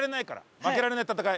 負けられない戦い。